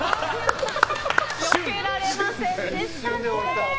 よけられませんでしたね。